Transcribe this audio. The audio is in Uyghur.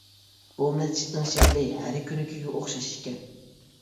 بۇ مەسچىتنىڭ شەكلى ھەرە كۆنىكىگە ئوخشاش ئىكەن.